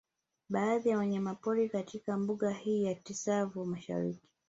Baadhi ya wanyamapori katika mbuga hii ya Tsavo Mashariki